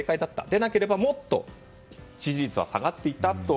でなければ、もっと支持率は下がっていたと。